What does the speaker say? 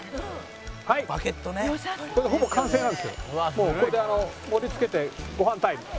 もうこれで盛り付けてご飯タイム。